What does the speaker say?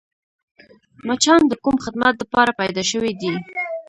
مچان د کوم خدمت دپاره پیدا شوي دي؟